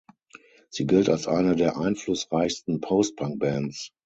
Sie gilt als eine der einflussreichsten Post-Punk-Bands.